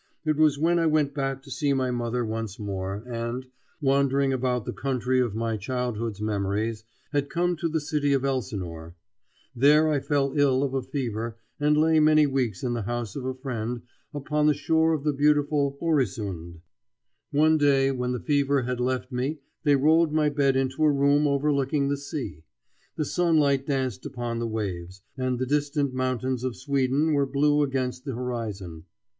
It was when I went back to see my mother once more and, wandering about the country of my childhood's memories, had come to the city of Elsinore. There I fell ill of a fever and lay many weeks in the house of a friend upon the shore of the beautiful Oeresund. One day when the fever had left me they rolled my bed into a room overlooking the sea. The sunlight danced upon the waves, and the distant mountains of Sweden were blue against the horizon.